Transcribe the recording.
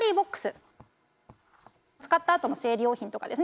使ったあとの生理用品とかですね